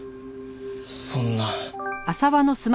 そんな。